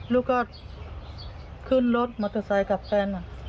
ลูกก็ขึ้นรถมอเซคกับแฟน